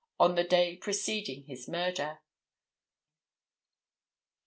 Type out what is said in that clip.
ON THE DAY PRECEDING HIS MURDER?